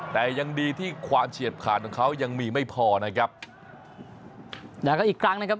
แต่ยังดีที่ความเฉียบขาดของเขายังมีไม่พอนะครับแล้วก็อีกครั้งนะครับ